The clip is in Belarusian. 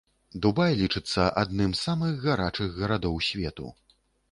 Дубай лічыцца адным з самых гарачых гарадоў свету.